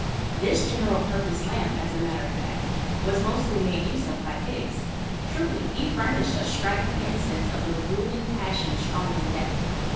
This general purpose lamp, as a matter of fact, was mostly made use of by Higgs. Truly, he furnished a striking instance of the ruling passion strong in death.